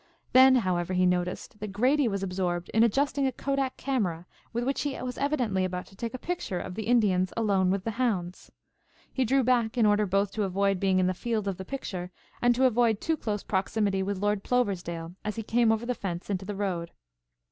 Then, however, he noticed that Grady was absorbed in adjusting a kodak camera, with which he was evidently about to take a picture of the Indians alone with the hounds. He drew back in order both to avoid being in the field of the picture and to avoid too close proximity with Lord Ploversdale as he came over the fence into the road.